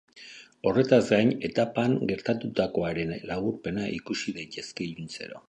Horretaz gain, etapan gertatutakoaren laburpena ikusi daiteke iluntzero.